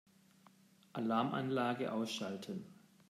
Alarmanlage ausschalten.